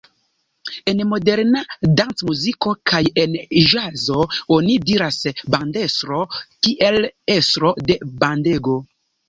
En moderna dancmuziko kaj en ĵazo oni diras bandestro kiel estro de bandego.